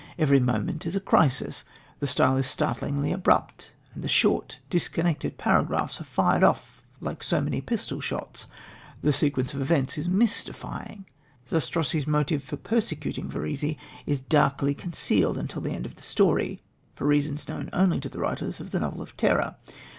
Every moment is a crisis. The style is startlingly abrupt, and the short, disconnected paragraphs are fired off like so many pistol shots. The sequence of events is mystifying Zastrozzi's motive for persecuting Verezzi is darkly concealed until the end of the story, for reasons known only to writers of the novel of terror.